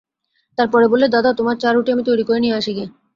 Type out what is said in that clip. তার পরে বললে, দাদা, তোমার চা-রুটি আমি তৈরি করে নিয়ে আসি গে।